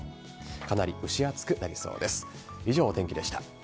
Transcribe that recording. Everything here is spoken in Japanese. かなり蒸し暑くなりそうです。